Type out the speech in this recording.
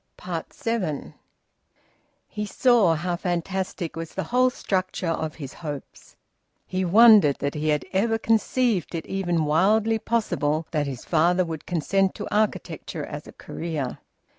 SEVEN. He saw how fantastic was the whole structure of his hopes. He wondered that he had ever conceived it even wildly possible that his father would consent to architecture as a career!